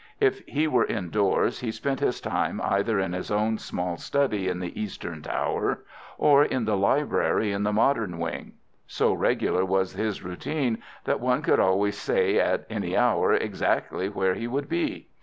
If he were indoors he spent his time either in his own small study in the Eastern Tower, or in the library in the modern wing. So regular was his routine that one could always say at any hour exactly where he would be.